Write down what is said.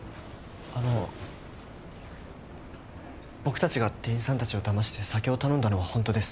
あの僕たちが店員さんたちをだまして酒を頼んだのは本当です。